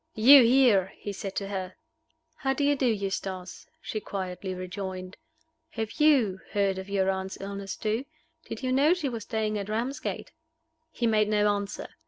"You here!" he said to her. "How do you do, Eustace?" she quietly rejoined. "Have you heard of your aunt's illness too? Did you know she was staying at Ramsgate?" He made no answer.